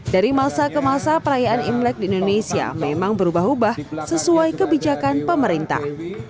dari masa ke masa perayaan imlek di indonesia memang berubah ubah sesuai kebijakan pemerintah